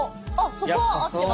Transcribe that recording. そこは合ってますね。